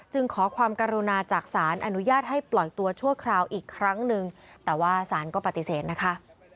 ขอความกรุณาจากศาลอนุญาตให้ปล่อยตัวชั่วคราวอีกครั้งหนึ่งแต่ว่าสารก็ปฏิเสธนะคะ